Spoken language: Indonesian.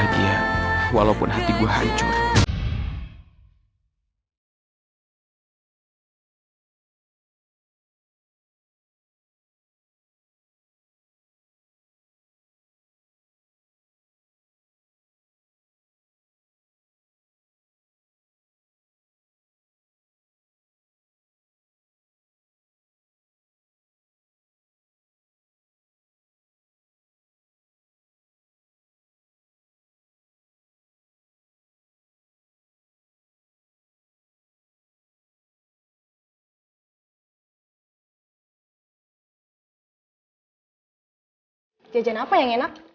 jajan apa yang enak